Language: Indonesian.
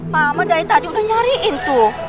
mama dari tadi udah nyariin tuh